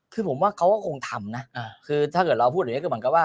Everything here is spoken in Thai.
คือผมว่าเขาก็คงทำนะคือถ้าเกิดเราพูดอย่างนี้ก็เหมือนกับว่า